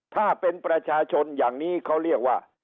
ถ้าเป็นประชาชนอย่างนี้เขาเรียกว่า